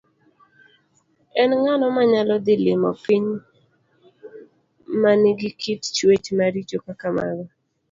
En ng'ano manyalo dhi limo piny ma nigi kit chwech maricho kaka mago?